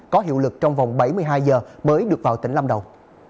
có hiệu lực trong vòng bảy mươi hai giờ mới được vào tỉnh lâm đồng